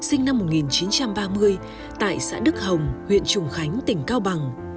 anh hùng điện biên phùng văn khầu sinh năm một nghìn chín trăm ba mươi tại xã đức hồng huyện trùng khánh tỉnh cao bằng